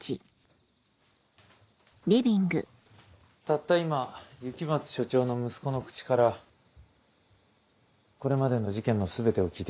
たった今雪松署長の息子の口からこれまでの事件の全てを聞いて来た。